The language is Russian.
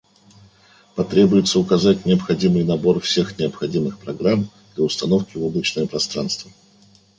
Потребуется указать необходимый набор всех необходимых программ для установки в облачное пространство